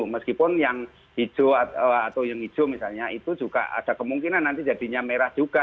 meskipun yang hijau atau yang hijau misalnya itu juga ada kemungkinan nanti jadinya merah juga